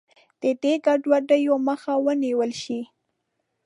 د دې ګډوډیو مخه ونیول شي.